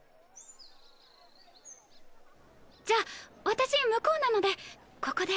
じゃ私向こうなのでここで。